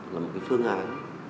là một cái phương án